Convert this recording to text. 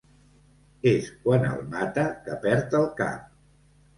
És quan el mata que perd el cap.